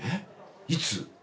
いつ？